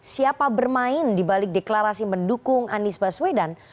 siapa bermain dibalik deklarasi mendukung andi sbaswedan